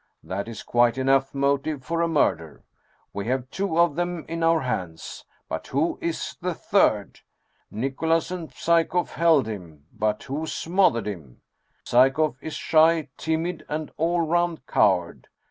That is quite enough motive for a murder. We have two of them in our hands ; but who is the third ? Nicholas and Psyekoff held him, but who smothered him? Psyekoff is shy, timid, an all round coward.